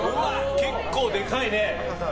結構、でかいね！